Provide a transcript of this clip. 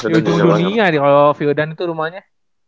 di ujung dunia nih kalo firdan itu rumahnya